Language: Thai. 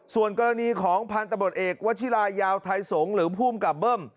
ส่วนกรณีของพันธบทเอกวชิลายาวไทยสงศ์หรือภูมิกับเบิ้ม